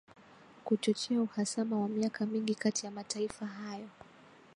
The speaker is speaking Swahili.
kuchochea uhasama wa miaka mingi kati ya mataifa hayo